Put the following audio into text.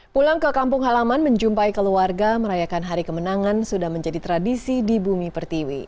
pulang ke kampung halaman menjumpai keluarga merayakan hari kemenangan sudah menjadi tradisi di bumi pertiwi